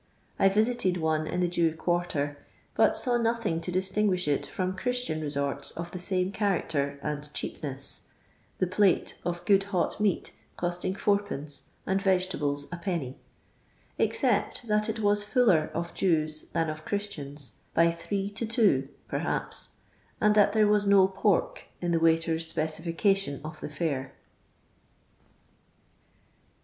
I visited one in the Jew quarter, but saw nothing to distinguish it from Christian resorts of the same character and cheapness (the " plate " of good hot meat costing Ad.j and vegetables Id.), except that it was fuller of Jews than of Chribtiiins, by three to two, per haps, and that there was no *' pork" in the waiter's specification of the fare.